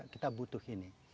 kita butuh ini